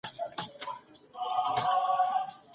هغه به مړ ږدن ډنډ ته نږدې ونه ګڼي.